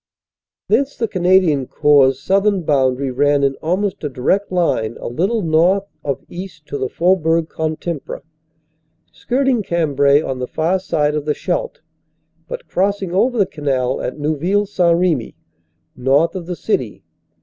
Thence the Canadian Corps southern boundary ran in almost a direct line a little north of east to the Faubourg Can timpre, skirting Cambrai on the far side of the Scheldt, but crossing over the canal at Neuville St. Remy, north of the City.